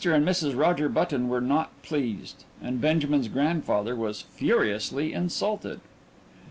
and Mrs. Roger Button were not pleased, and Benjamin's grandfather was furiously insulted.